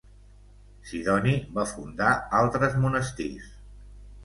Sidoni va fundar altres monestirs.